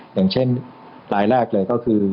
อย่างเช่นรายแรกเลยก็คือ